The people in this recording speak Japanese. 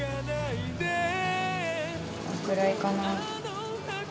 このくらいかな。